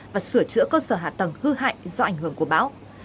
và sửa chữa cơ sở hạ tầng hư hại do ảnh hưởng của bão